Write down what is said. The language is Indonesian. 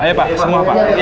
ayo pak semua pak